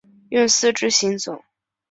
用四肢行走。